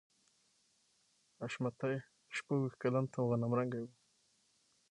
حشمتي شپږویشت کلن او غنم رنګی و